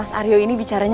habis itu ada ini